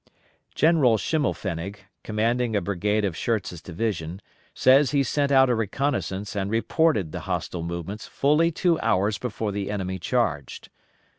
General Schimmelpfennig, commanding a brigade of Schurz's division, says he sent out a reconnoissance and reported the hostile movements fully two hours before the enemy charged.